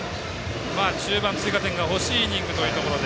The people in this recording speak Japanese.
中盤、追加点が欲しいイニングということで。